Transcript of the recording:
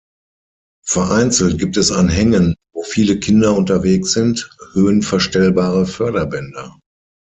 Vereinzelt gibt es an Hängen, wo viele Kinder unterwegs sind, höhenverstellbare Förderbänder.